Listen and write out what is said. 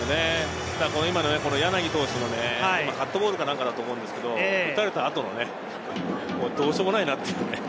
今の、柳選手のカットボールかなんかだと思うんですけど、打たれた後はどうしょうもないなっていう。